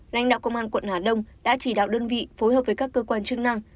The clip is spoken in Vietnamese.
lãnh đạo công an quận hà đông đã chỉ đạo đơn vị phối hợp với các cơ quan chức năng